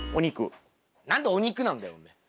何でお肉なんだよおめえ。